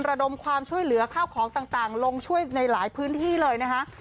ระดมความช่วยเหลือข้าวของต่างลงช่วยในหลายพื้นที่เลยนะคะ